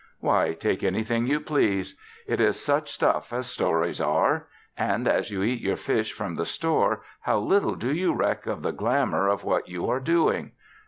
Why, take anything you please! It is such stuff as stories are. And as you eat your fish from the store how little do you reck of the glamour of what you are doing!